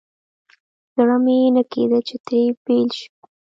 زړه مې نه کېده چې ترې بېل شم.